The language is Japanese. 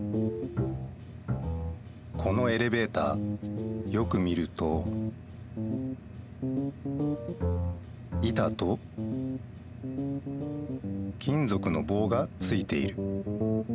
このエレベーターよく見ると板と金ぞくの棒がついている。